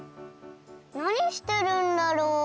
なにしてるんだろう？